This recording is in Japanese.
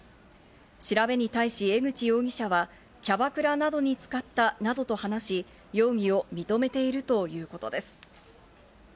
調べに対し、江口容疑者はキャバクラなどに使ったなどと話し、容疑を認めているということです。